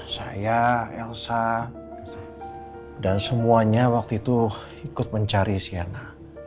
saya elsa dan semuanya waktu itu ikut mencari siana